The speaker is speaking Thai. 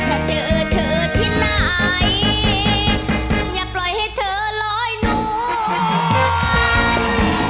เธอเจอเธอที่ไหนอย่าปล่อยให้เธอร้อยหน่วย